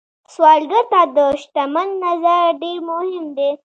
سوالګر ته د شتمن نظر ډېر مهم دی